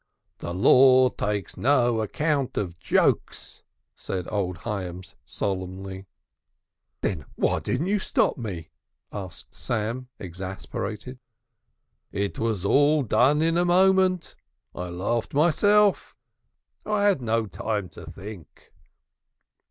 "The law takes no account of jokes," said old Hyams solemnly. "Then why didn't you stop me?" asked Sam, exasperated. "It was all done in a moment. I laughed myself; I had no time to think."